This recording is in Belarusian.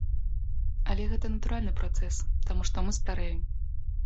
Але гэта натуральны працэс, таму што мы старэем.